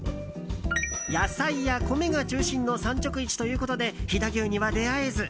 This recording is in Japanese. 野菜や米が中心の産直市ということで飛騨牛には出会えず。